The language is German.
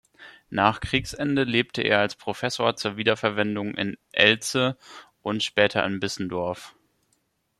Nach Kriegsende lebte er als Professor zur Wiederverwendung in Elze und später in Bissendorf.